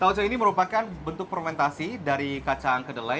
tauco ini merupakan bentuk fermentasi dari kacang kedelai